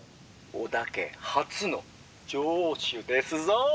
「織田家初の城主ですぞ！」。